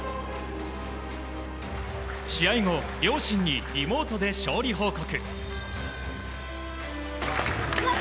試合後、両親にリモートで勝利報告。